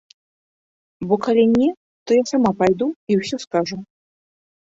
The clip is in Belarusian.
Бо калі не, то я сама пайду і ўсё скажу.